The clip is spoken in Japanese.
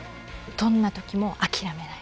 どんな時も諦めない。